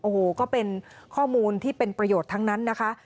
โอ้โหก็เป็นข้อมูลที่เป็นประโยชน์ทั้งนั้นนะคะ